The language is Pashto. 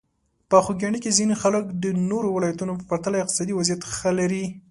په خوږیاڼي کې ځینې خلک د نورو ولایتونو په پرتله اقتصادي وضعیت ښه لري.